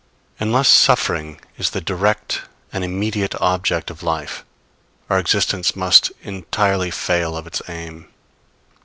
Unless suffering is the direct and immediate object of life, our existence must entirely fail of its aim.